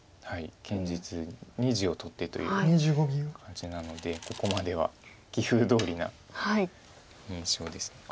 堅実に地を取ってという感じなのでここまでは棋風どおりな印象です。